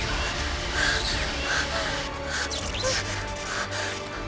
setelah k opened